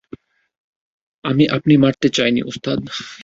আমি আপনি মারতে চাইনি, ওস্তাদ!